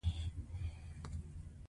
ولې د ده زړه او ذوق نه سوزي.